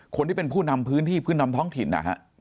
คนที่เป็นผู้นำพื้นที่พื้นนำท้องถิ่นนะฮะ